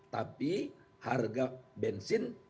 tapi harga bensin